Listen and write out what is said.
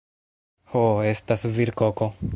Ho, estas virkoko